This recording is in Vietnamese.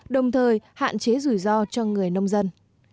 đồng thời hạn chế rủi ro cho người nông dân